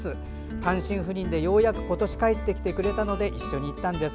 単身赴任でようやく今年帰ってきてくれたので一緒に行ったんです。